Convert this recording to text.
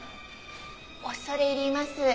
恐れ入ります。